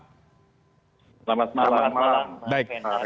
selamat malam pak